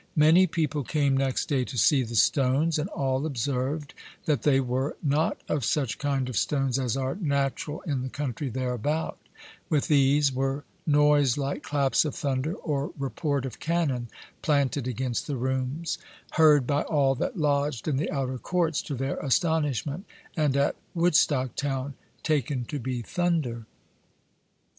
Many people came next day to see the stones, and all observed that they were not of such kind of stones as are naturall in the countrey thereabout; with these were noise like claps of thunder, or report of cannon planted against the rooms, heard by all that lodged in the outer courts, to their astonishment, and at Woodstock town, taken to be thunder.